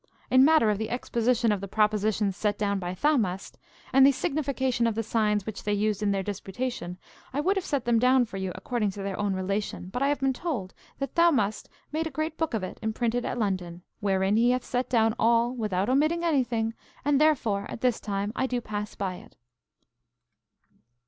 In matter of the exposition of the propositions set down by Thaumast, and the signification of the signs which they used in their disputation, I would have set them down for you according to their own relation, but I have been told that Thaumast made a great book of it, imprinted at London, wherein he hath set down all, without omitting anything, and therefore at this time I do pass by it.